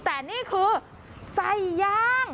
แต่นี่คือไส้ย่าง